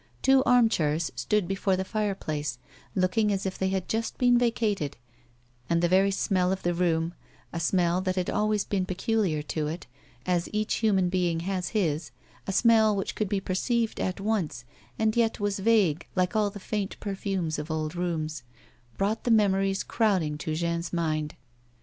Two armchairs stood before the fire place, looking as if they had just been vacated, and the very smell of the room — a smell that had always been peculiar to it, as each human being has his, a smell which could be perceived at once, and yet was vague like all the faint perfumes of old rooms — brought the memories crowding to Jeanne's mind.